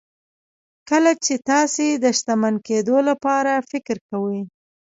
کله چې تاسې د شتمن کېدو لپاره فکر کوئ.